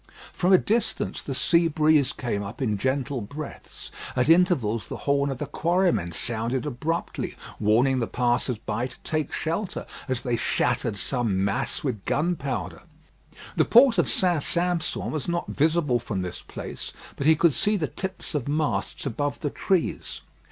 From a distance the sea breeze came up in gentle breaths, at intervals the horn of the quarrymen sounded abruptly, warning the passers by to take shelter, as they shattered some mass with gunpowder. The Port of St. Sampson was not visible from this place, but he could see the tips of masts above the trees.